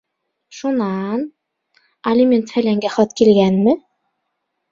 Шуна-ан, алимент-фәләнгә хат килгәнме?